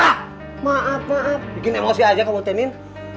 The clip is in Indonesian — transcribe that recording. maaf atu kan saya minta maaf bikin emosi aja kamu teh ninn